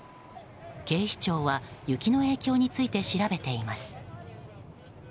警視庁は雪の影響について調べています。